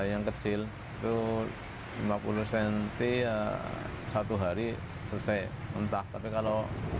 harga beduk sesuai negara